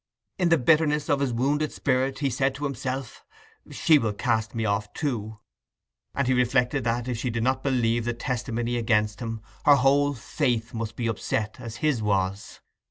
In the bitterness of his wounded spirit, he said to himself, "She will cast me off too." And he reflected that, if she did not believe the testimony against him, her whole faith must be upset as his was.